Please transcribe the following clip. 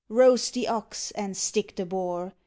Roast the ox and stick the boar!